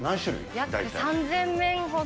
約３０００面ほど。